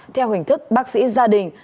theo hình thức bác sĩ gia đình